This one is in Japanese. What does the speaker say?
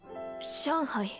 上海？